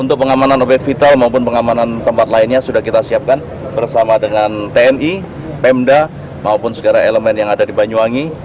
untuk pengamanan obyek vital maupun pengamanan tempat lainnya sudah kita siapkan bersama dengan tni pemda maupun segala elemen yang ada di banyuwangi